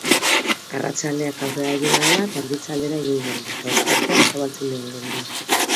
Arratsaldeak aurrera egin ahala garbitze aldera egingo du eta ostarteak zabaltzen joango dira.